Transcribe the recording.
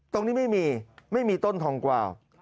ตรงนี้ไม่มีไม่มีต้นทองกวาว